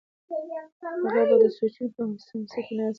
هغه به د سوچونو په سمڅه کې ناست وي.